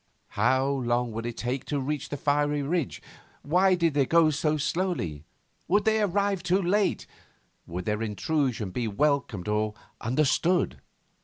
How long would it take to reach the fiery ridge? Why did they go so slowly? Would they arrive too late? Would their intrusion be welcomed or understood?